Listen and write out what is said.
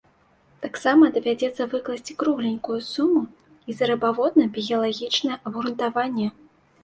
Таксама давядзецца выкласці кругленькую суму і за рыбаводна-біялагічнае абгрунтаванне.